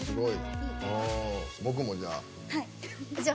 僕もじゃあ。